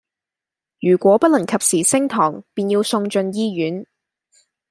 如果不能及時升糖便要送進醫院